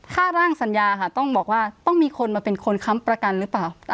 ถ้าร่างสัญญาค่ะต้องบอกว่าต้องมีคนมาเป็นคนค้ำประกันหรือเปล่า